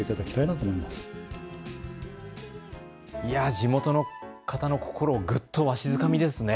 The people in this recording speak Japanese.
地元の方の心をぐっとわしづかみですね。